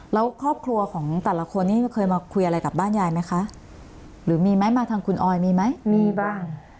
แล้วครอบครัวของแต่ละคนนี้เคยมาคุยอะไรกับบ้านยายไหมคะหรือมีไหมมาทางคุณออยมีไหมมีบ้าง